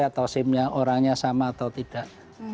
atau simnya orangnya sama atau tidak